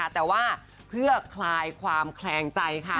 แต่ว่าเพื่อคลายความแคลงใจค่ะ